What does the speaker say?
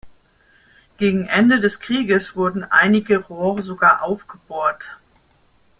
Gegen Ende des Krieges wurden einige Rohre sogar aufgebohrt.